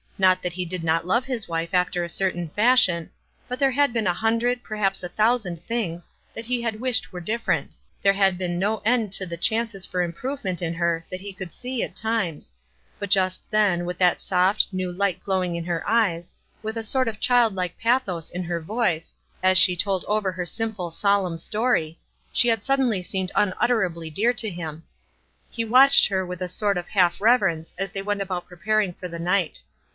Not that he did not love his wife after a certain fashion ; but there had been a hundred, perhaps a thou sand things, that he had wished were different. There had been no end to the chances for im provement in her that he could see at times ; but just then, with that soft, new light glowing iu her eyes, with a sort of child like pathos in her voice, as she told over her simple, solemn Btory, she had suddenly seemed unutterably 346 WISE AND OTHERWISE. dear to him. He watched her with a sort of half reverence as they went about preparing for the nisjht.